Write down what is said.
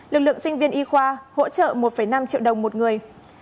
lực lượng sinh viên y khoa hỗ trợ một năm triệu đồng một người